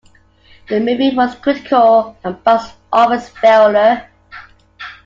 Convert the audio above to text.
The movie was a critical and box office failure.